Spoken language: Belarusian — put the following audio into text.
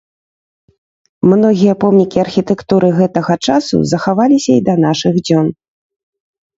Многія помнікі архітэктуры гэтага часу захаваліся і да нашых дзён.